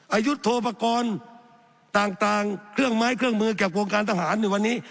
อายุโทปกรณ์ต่างเครื่องไม้เครื่องมือจากวงการทหารในวันนี้